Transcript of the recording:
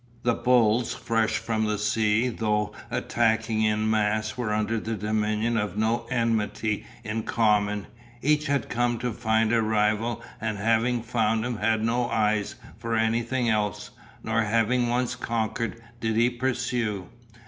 The bulls fresh from the sea though attacking en masse were under the dominion of no enmity in common, each had come to find a rival and having found him had no eyes for anything else. Nor having once conquered did he pursue.